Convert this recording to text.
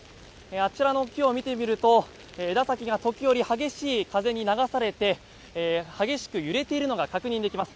あちらの木を見てみると枝先が時折、激しい風に流されて激しく揺れているのが確認できます。